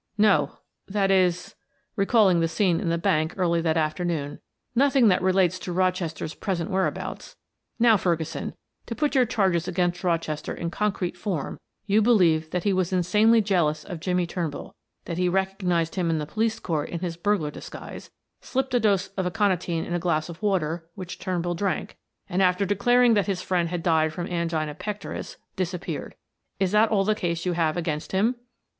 "No; that is" recalling the scene in the bank early that afternoon "nothing that relates to Rochester's present whereabouts. Now, Ferguson, to put your charges against Rochester in concrete form, you believe that he was insanely jealous of Jimmie Turnbull, that he recognized him in the Police Court in his burglar disguise, slipped a dose of aconitine in a glass of water which Turnbull drank, and after declaring that his friend had died from angina pectoris, disappeared. Is that all the case you have against him?"